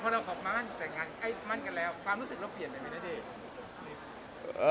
ความรู้สึกเราเปลี่ยนไหมนะเด๊